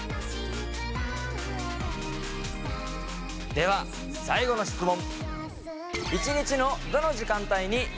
では最後の質問。